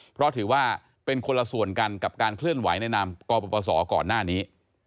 เพราะถือว่าเป็นคนละส่วนกันกับการเคลื่อนไหวในนามกรปศก่อนหน้านี้